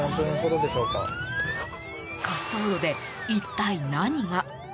滑走路で一体、何が？